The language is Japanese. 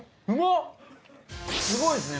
すごいですね